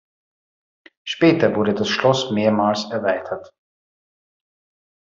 Später wurde das Schloss mehrmals erweitert.